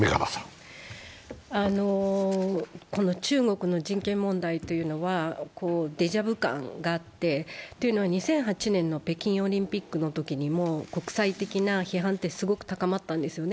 この中国の人権問題はデジャブ感があって、２００８年の北京オリンピックのときにも国際的な批判ってすごく高まったんですよね。